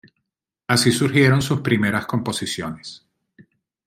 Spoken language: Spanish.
Así surgieron sus primeras composiciones.